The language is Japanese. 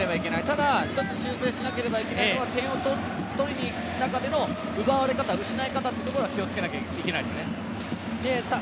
ただ１つ修正しなければいけないのは、点を取りにいく中での奪われ方、失い方を気をつけなきゃいけないですね。